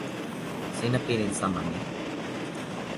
sina pilin sama mi.